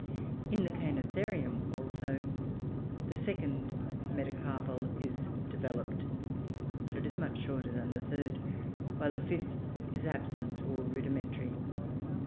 In the Cainotherium, also, the second metacarpal is developed, but is much shorter than the third, while the fifth is absent or rudimentary.